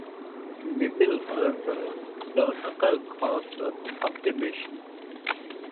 দ্বীপের উত্তরাঞ্চলে জনসংখ্যার ঘনত্ব সবচেয়ে বেশি।